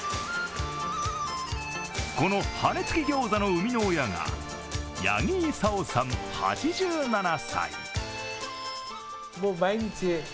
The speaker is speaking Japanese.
この羽根付きギョーザの生みの親が八木功さん８７歳。